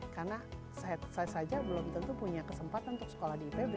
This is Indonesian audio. karena saya saja belum tentu punya kesempatan untuk sekolah di ipb